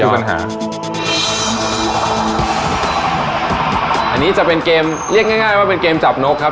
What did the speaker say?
อันนี้จะเป็นเกมเรียกง่ายง่ายว่าเป็นเกมจับนกครับ